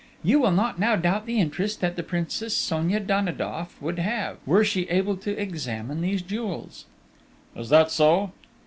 you will not now doubt the interest that the Princess Sonia Danidoff would have, were she able to examine these jewels...." "Is that so?"